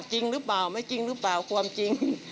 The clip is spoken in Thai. จริงหรือเปล่าไม่จริงหรือเปล่าความจริง